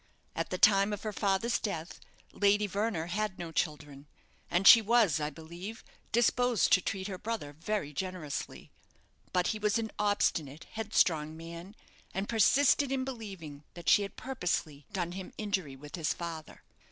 At the time of her father's death, Lady Verner had no children, and she was, I believe, disposed to treat her brother very generously; but he was an obstinate, headstrong man, and persisted in believing that she had purposely done him injury with his father.